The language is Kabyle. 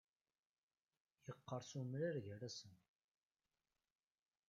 Iqqeṛṣ umrar gar-asen.